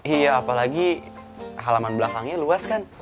iya apalagi halaman belakangnya luas kan